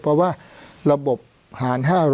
เพราะว่าระบบหาร๕๐๐